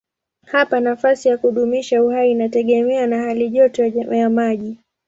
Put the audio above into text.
Hapa nafasi ya kudumisha uhai inategemea na halijoto ya maji.